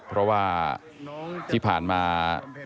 เพราะว่าที่ผ่านมา